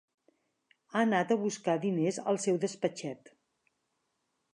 Ha anat a buscar diners al seu despatxet.